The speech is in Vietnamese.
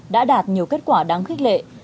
đã đạt nhiều kết quả đáng khích lệ